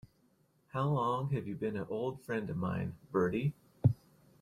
How long have you been an old friend of mine, Bertie?